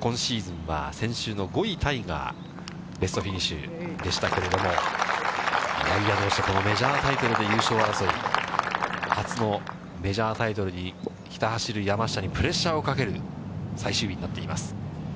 今シーズンは先週の５位タイがベストフィニッシュでしたけれども、いやいやどうして、このメジャータイトルで優勝争い、初のメジャータイトルにひた走る山下にプレッシャーをかける最終日になっています。